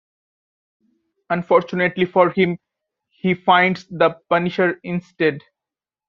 Unfortunately for him, he finds the Punisher instead.